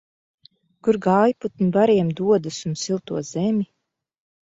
Kur gājputni bariem dodas un silto zemi?